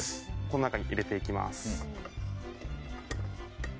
この中に入れていきます。